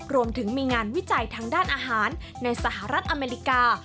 รวมถึงมีงานวิจัยทางด้านอาหารในสหรัฐอเมริกา